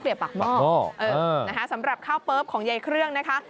เกลียบปากหม้อสำหรับข้าวเปิบของยายเครื่องนะคะ